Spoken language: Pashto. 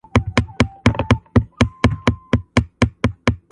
يو هلک بل ته وايي چي دا ډېره بده پېښه ده،